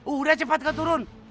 udah cepat ke turun